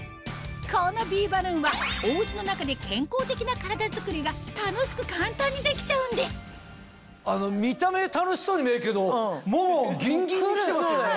このビーバルーンはおうちの中で健康的な体づくりが楽しく簡単にできちゃうんです見た目楽しそうに見えるけどももギンギンに来てますよね。